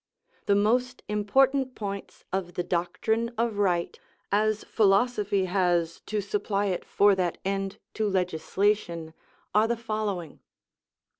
The most important points of the doctrine of right, as philosophy has to supply it for that end to legislation, are the following: 1.